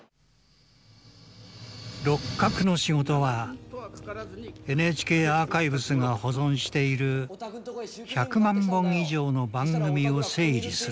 六角の仕事はＮＨＫアーカイブスが保存している１００万本以上の番組を整理すること。